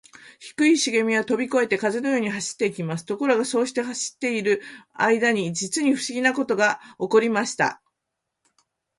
低いしげみはとびこえて、風のように走っていきます。ところが、そうして少し走っているあいだに、じつにふしぎなことがおこりました。